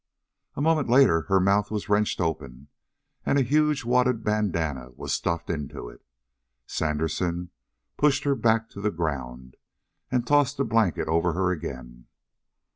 A moment later her mouth was wrenched open, and a huge wadded bandanna was stuffed into it. Sandersen pushed her back to the ground and tossed the blanket over her again.